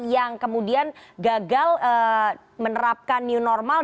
yang kemudian gagal menerapkan new normal